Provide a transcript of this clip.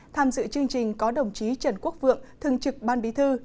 tham dự chương trình có đồng chí trần quốc vượng thường trực ban bí thư